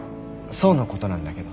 想のことなんだけど。